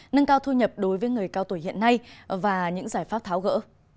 nâng cao thu nhập đối với người cao tuổi hiện nay và những giải pháp tháo gỡ